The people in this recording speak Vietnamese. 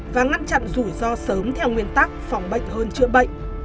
và ngăn chặn rủi ro sớm theo nguyên tắc phòng bệnh hơn chữa bệnh